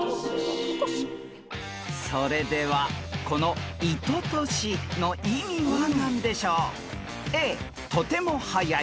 ［それではこの「いととし」の意味は何でしょう？］